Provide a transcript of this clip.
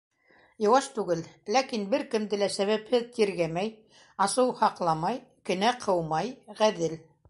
Йыуаш түгел, ләкин бер кемде лә сәбәпһеҙ тиргәмәй, асыу һаҡламай, кенә ҡыумай, ғәҙел.